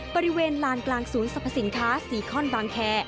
บริเวณรานกลางศูนย์สมศิษณภาษีสรีข้อนบางแค